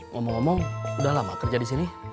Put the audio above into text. ngomong ngomong udah lama kerja di sini